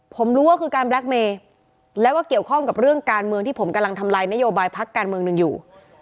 ผมรู้ว่าคือการแบล็คเมย์แล้วก็เกี่ยวข้องกับเรื่องการเมืองที่ผมกำลังทำลายนโยบายพักการเมืองหนึ่งอยู่